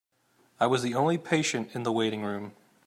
I was the only patient in the waiting room.